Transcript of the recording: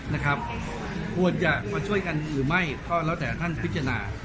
นะครับควรจะมาช่วยกันหรือไม่ก็แล้วแต่ท่านพิจารณา